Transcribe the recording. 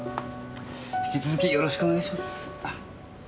引き続きよろしくお願いします。